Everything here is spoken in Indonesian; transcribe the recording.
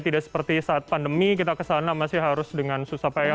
tidak seperti saat pandemi kita kesana masih harus dengan susah payah